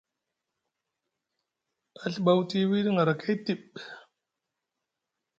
A Ɵiba wuti wiɗi ŋarakay tiɓ.